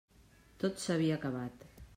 Tot s'havia acabat.